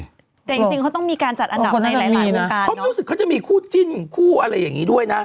แต่จริงจริงเขาต้องมีการจัดอันดับในหลายหลายวงการเขารู้สึกเขาจะมีคู่จิ้นคู่อะไรอย่างนี้ด้วยนะ